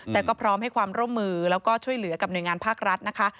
แต่ก็พร้อมให้ความร่วมมือแล้วก็ช่วยเหลือกับหน่วยงานภาครัฐนะคะ